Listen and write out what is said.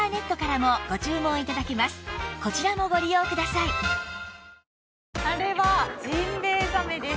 さらにあれはジンベエザメです。